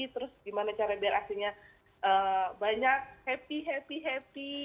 terus gimana cara biar aslinya banyak happy happy happy